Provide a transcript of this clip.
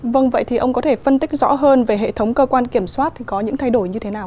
vâng vậy thì ông có thể phân tích rõ hơn về hệ thống cơ quan kiểm soát có những thay đổi như thế nào